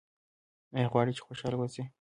ایا غواړئ چې خوشحاله اوسئ؟